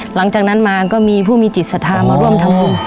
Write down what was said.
หลังจากนั้นมาก็มีผู้มีจิตศรัทธามาร่วมทำบุญ